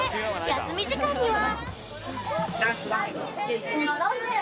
休み時間には。